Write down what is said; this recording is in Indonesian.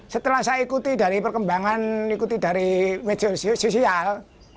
setelah saya ikuti dari perkembangan ikuti dari media sosial